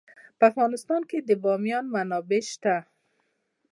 په افغانستان کې د بامیان منابع شته.